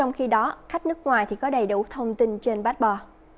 ngoài thì có đầy đủ thông tin trên bát bò